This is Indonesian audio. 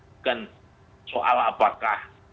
bukan soal apakah